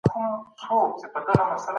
هر څوک چې په ټولنه کې اوسي مسؤلیت لري.